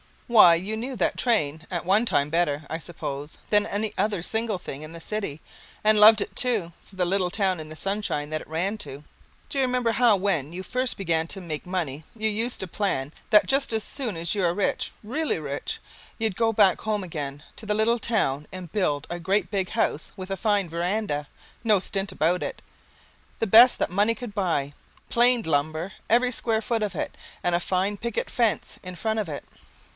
Why, you knew that train at one time better, I suppose, than any other single thing in the city, and loved it too for the little town in the sunshine that it ran to. Do you remember how when you first began to make money you used to plan that just as soon as you were rich, really rich, you'd go back home again to the little town and build a great big house with a fine verandah, no stint about it, the best that money could buy, planed lumber, every square foot of it, and a fine picket fence in front of it.